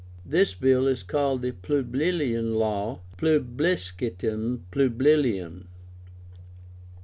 This bill is called the PUBLILIAN LAW (Plebiscítum Publilium).